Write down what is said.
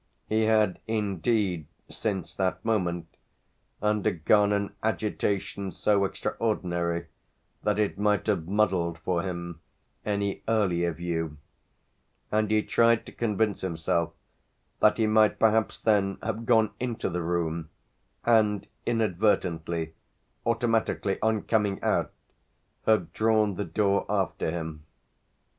He had indeed since that moment undergone an agitation so extraordinary that it might have muddled for him any earlier view; and he tried to convince himself that he might perhaps then have gone into the room and, inadvertently, automatically, on coming out, have drawn the door after him.